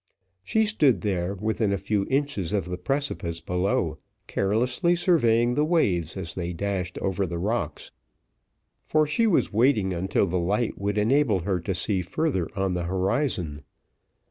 She stood there, within a few inches of the precipice below, carelessly surveying the waves as they dashed over the rocks, for she was waiting until the light would enable her to see further on the horizon.